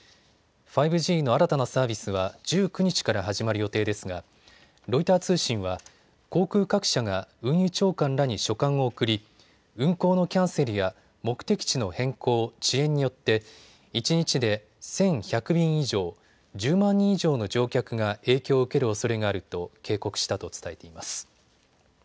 ５Ｇの新たなサービスは１９日から始まる予定ですがロイター通信は航空各社が運輸長官らに書簡を送り運航のキャンセルや目的地の変更、遅延によって一日で１１００便以上、１０万人以上の乗客が影響を受けるおそれがあると警告したと伝えています。